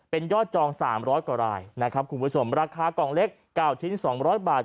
เป็นยอดจอง๓๐๐กว่ารายนะครับคุณผู้ชมราคากล่องเล็ก๙ชิ้น๒๐๐บาท